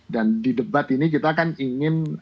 dan di debat ini kita akan ingin